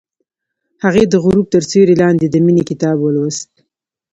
هغې د غروب تر سیوري لاندې د مینې کتاب ولوست.